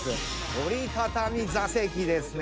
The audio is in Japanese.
折りたたみ座席ですね。